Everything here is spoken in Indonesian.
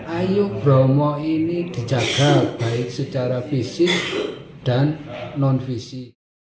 ayo bromo ini dijaga baik secara fisik dan non fisik